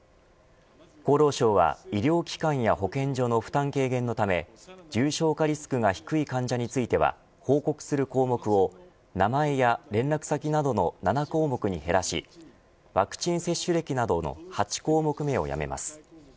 厚労省は、医療機関や保健所の負担軽減のため重症化リスクが低い患者については報告する項目を名前や連絡先などの７項目に減らしワクチン接種歴など８項目をやめます。